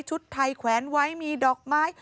ชุดไทยแขวนไว้มีดอกไม้